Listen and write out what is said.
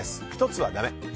１つは、だめ。